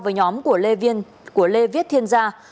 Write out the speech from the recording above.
với nhóm của lê viết thiên gia